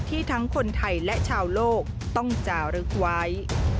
ทั้งคนไทยและชาวโลกต้องจารึกไว้